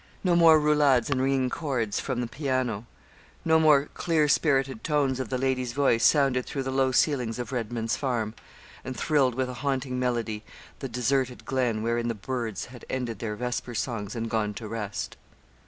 No more roulades and ringing chords from the piano no more clear spirited tones of the lady's voice sounded through the low ceilings of Redman's Farm, and thrilled with a haunting melody the deserted glen, wherein the birds had ended their vesper songs and gone to rest.